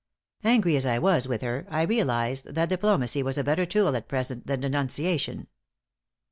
Angry as I was with her, I realized that diplomacy was a better tool at present than denunciation.